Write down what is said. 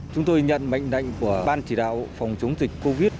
chúng tôi nhận mệnh lệnh của ban chỉ đạo phòng chống dịch covid